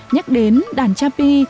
nhắc đến đàn cha pi